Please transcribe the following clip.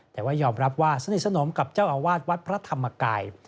แต่ว่ายอมรับว่าสนิทสนมกับเจ้าอาวาสวัดพระธรรมกาย